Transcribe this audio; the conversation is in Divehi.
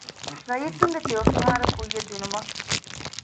ރައްޔިތުންގެ ތެޔޮފިހާރަ ކުއްޔަށް ދިނުމަށް